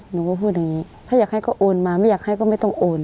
หนูก็พูดอย่างนี้ถ้าอยากให้ก็โอนมาไม่อยากให้ก็ไม่ต้องโอน